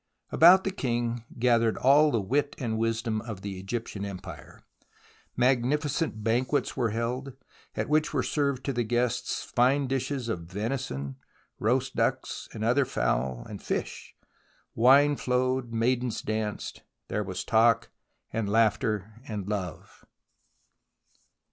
About the king gathered all the wit and wisdom of the Egyptian empire. Magnificent banquets were held, at which were served to the guests fine dishes of venison, roast ducks and other fowl, and fish. Wine flowed, maidens danced. There was talk and laughter and love.